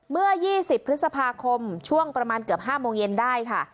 เมื่อ๒๐พฤษภาคมช่วงประมาณเกือบ๕โมงเย็นได้ค่ะ